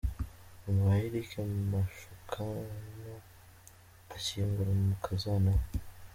Mama wa Eric Mashukano ashyingura umukazana we.